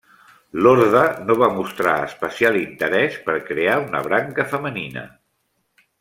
L'orde no va mostrar especial interès per crear una branca femenina.